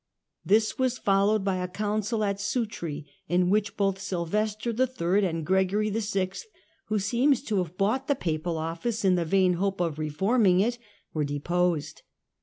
This was followed ^^*^ by a Council at Sutri in which both Sylvester III. and Gregory VI., who seems to have bought the papal office in the vain hope of reforming it, were deposed.